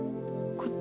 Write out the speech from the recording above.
こっち。